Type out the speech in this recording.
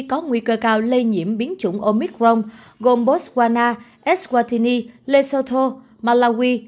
có nguy cơ cao lây nhiễm biến chủng omicron gồm botswana eswatini lesotho malawi